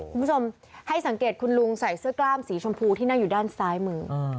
คุณผู้ชมให้สังเกตคุณลุงใส่เสื้อกล้ามสีชมพูที่นั่งอยู่ด้านซ้ายมือ